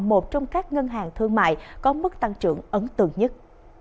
một trong các ngân hàng thương mại có mức tăng trưởng ấn tượng nhất